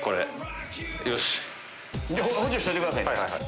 補助しといてくださいね。